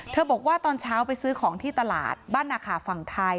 บอกว่าตอนเช้าไปซื้อของที่ตลาดบ้านนาคาฝั่งไทย